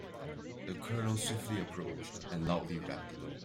The colonel swiftly approached and loudly rapped the door.